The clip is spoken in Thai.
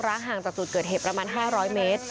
ห่างจากจุดเกิดเหตุประมาณ๕๐๐เมตร